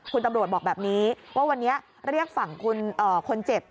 คุณตำรวจบอกแบบนี้ว่าวันนี้เรียกฝั่งคนเจ็บ